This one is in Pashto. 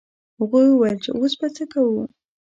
هغوی وویل چې اوس به څه کوو.